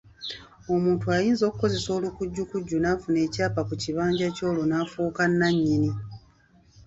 Omuntu ayinza okukozesa olukujjukujju n’afuna ekyapa ku kibanja kyo olwo n’afuuka nnannyini.